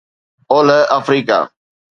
اولهه آفريڪا